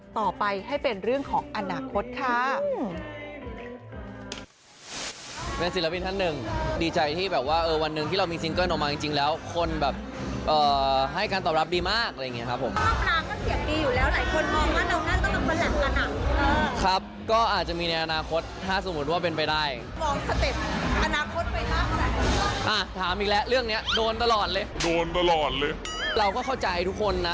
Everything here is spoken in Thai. ต่อไปให้เป็นเรื่องของอนาคตค่ะ